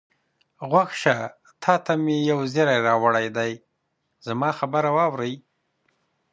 غوږ شه، تا ته مې یو زېری راوړی دی، زما خبره واورئ.